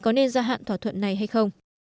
có nên gia hạn thỏa thuận này hay không